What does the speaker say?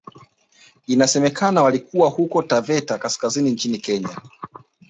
Inasemekana walikuwa huko Taveta kaskazini nchini Kenya